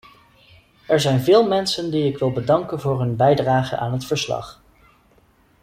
Er zijn veel mensen die ik wil bedanken voor hun bijdrage aan het verslag.